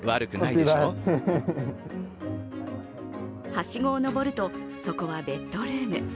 はしごを上るとそこはベッドルーム。